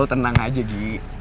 lo tenang aja gi